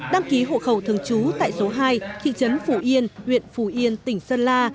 đăng ký hộ khẩu thường trú tại số hai thị trấn phủ yên huyện phù yên tỉnh sơn la